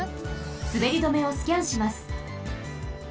すべり止めをスキャンします。